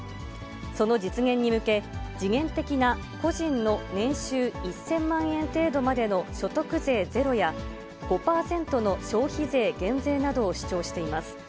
その実現に向け、時限的な個人の年収１０００万円程度までの所得税ゼロや、５％の消費税減税などを主張しています。